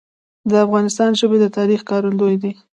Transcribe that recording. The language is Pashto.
د افغانستان ژبي د تاریخ ښکارندوی دي.